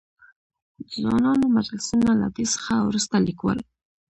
د ځوانانو مجلسونه؛ له دې څخه ورورسته ليکوال.